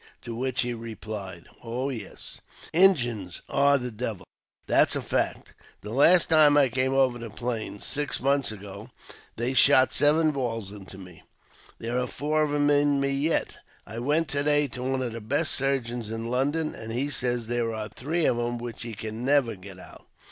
To which he replied —" Oh, yes ! Injuns are the devil — that's a fact. The last time I came over the Plains — six months ago — they shot seven balls into me. There are four of 'em in me yet. I went to day to one of the best surgeons in London, and he says there are three of 'em which he can never get out."